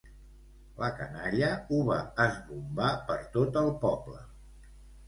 la canalla ho va esbombar per tot el poble